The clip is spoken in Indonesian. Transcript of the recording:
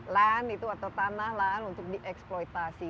land itu atau tanah lah untuk dieksploitasi